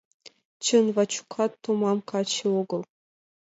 Чын, Вачукат томам каче огыл.